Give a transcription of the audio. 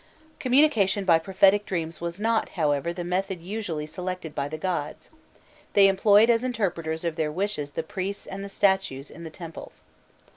Communication by prophetic dreams was not, however, the method usually selected by the gods: they employed as interpreters of their wishes the priests and the statues in the temples.